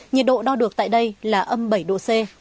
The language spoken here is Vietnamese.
nhiệt độ đo được tại đây là âm bảy độ c